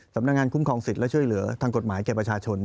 สำนักงานคุ้มครองสิทธิ์และช่วยเหลือทางกฎหมายแก่ประชาชน